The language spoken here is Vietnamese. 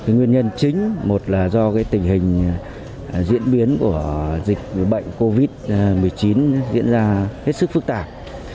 nguyên nhân chính một là do tình hình diễn biến của dịch bệnh covid một mươi chín diễn ra hết sức phức tạp